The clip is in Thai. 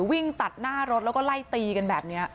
วิ่งตัดหน้ารถแล้วก็ไล่ตีกันแบบนี้